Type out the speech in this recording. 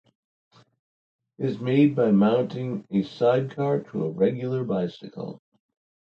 It is made by mounting a sidecar to a regular bicycle.